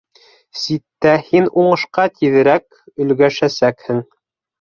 Ситтә һин уңышҡа тиҙерәк өлгәшәсәкһең.